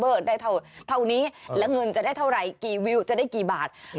ได้เท่านี้แล้วเงินจะได้เท่าไหร่กี่วิวจะได้กี่บาท